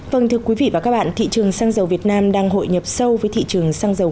vâng thưa quý vị và các bạn thị trường xăng dầu việt nam đang hội nhập sâu với thị trường xăng dầu